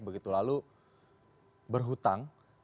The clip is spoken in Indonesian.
begitu lalu berhutang